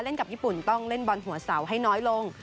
กับญี่ปุ่นต้องเล่นบอลหัวเสาให้น้อยลง